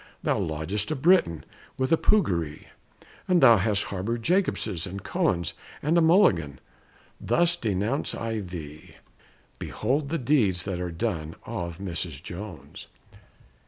Thou lodgest a Briton with a puggaree, And thou hast harbored Jacobses and Cohns, Also a Mulligan. Thus denounce I thee! Behold the deeds that are done of Mrs. Jones!